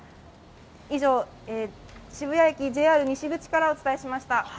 以上渋谷駅ＪＲ西口からお伝えしました。